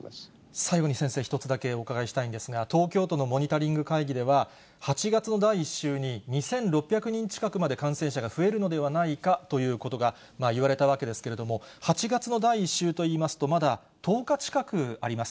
最後に先生、１つだけお伺いしたいんですが、東京都のモニタリング会議では、８月の第１週に、２６００人近くまで感染者が増えるのではないかということがいわれたわけですけれども、８月の第１週といいますと、まだ１０日近くあります。